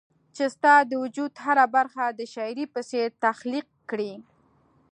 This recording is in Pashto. چي ستا د وجود هره برخه د شاعري په څير تخليق کړي